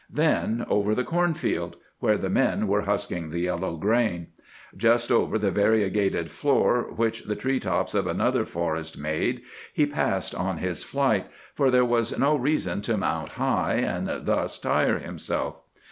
Then over the corn field, where the men were husking the yellow grain. Just over the variegated floor which the tree tops of another forest made he passed on his flight, for there was no reason to mount high, and thus tire himself.